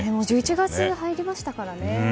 １１月に入りましたからね。